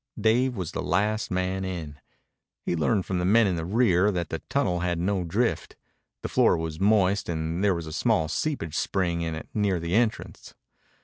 Dave was the last man in. He learned from the men in the rear that the tunnel had no drift. The floor was moist and there was a small seepage spring in it near the entrance.